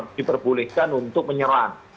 diperbolehkan untuk menyerang